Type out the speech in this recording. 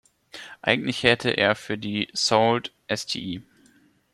Eigentlich hätte er für die Sault Ste.